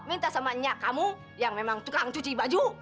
minta sama nya kamu yang memang tukang cuci baju